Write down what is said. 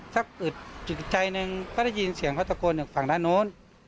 อึดจิตใจหนึ่งก็ได้ยินเสียงเขาตะโกนจากฝั่งด้านโน้น